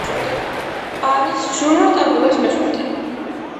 არის ჟურნალ ტაბულას მესვეტე.